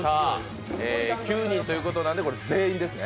９人ということなんで、これ、全員ですね。